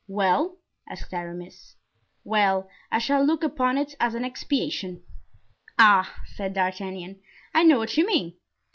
"Well?" asked Aramis. "Well, I shall look upon it as an expiation." "Ah!" said D'Artagnan; "I know what you mean."